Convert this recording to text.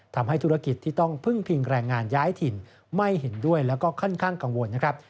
ทำให้ธุรกิจที่ต้องพึ่งพิงแรงงานย้ายถิ่นไม่เห็นด้วยแล้วก็ค่อนข้างกังวลนะครับ